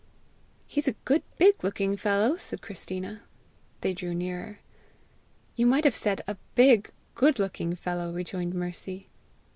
"He's a good big looking fellow," said Christina. They drew nearer. "You might have said a big, good looking fellow!" rejoined Mercy.